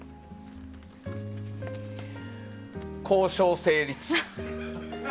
交渉成立！